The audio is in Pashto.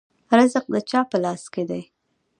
رزق د چا په لاس کې دی؟